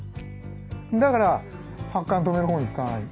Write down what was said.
だから発汗を止めるほうに使わない。